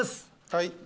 はい。